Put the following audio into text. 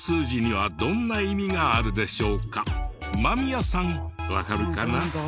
この間宮さんわかるかな？